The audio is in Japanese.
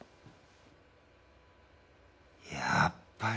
やっぱり。